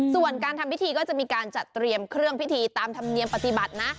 ส่วนการทำพิธีก็จะมีการจัดเตรียมเครื่องพิธีตามธรรมเนียมปฏิบัตินะ